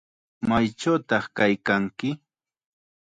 ¿Maychawtaq kaykanki?